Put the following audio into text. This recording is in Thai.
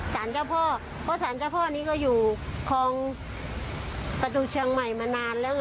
สารเจ้าพ่อเพราะสารเจ้าพ่อนี้ก็อยู่คลองประตูเชียงใหม่มานานแล้วไง